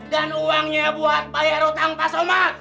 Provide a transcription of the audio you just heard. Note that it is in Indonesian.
dan uangnya buat bayar utang pak somad